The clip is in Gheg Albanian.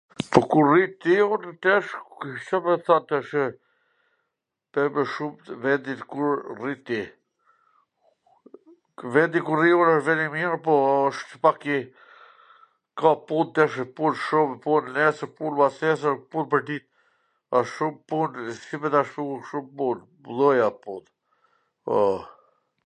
Po ku rri ti un tash Ca me t thwn tash, vendi ku rri ti. Vendi ku rri un wsht vend i mir, po, wsht pak i ..., ka punt e ... pun shum, pun neswr, pun mbasneswr, pun pwrdit ... ka shum pun, si me ta shtu, shum pun, lloje at pun, poo.